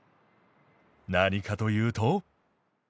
何かというと。